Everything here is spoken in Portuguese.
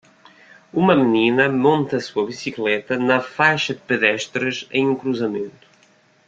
Uma menina monta sua bicicleta na faixa de pedestres em um cruzamento.